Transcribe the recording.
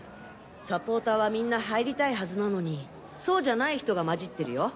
サポーターは皆入りたいはずなのにそうじゃない人が混じってるよ。